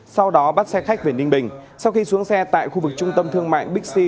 sau đó bắt xe khách về ninh bình sau khi xuống xe tại khu vực trung tâm thương mại bixi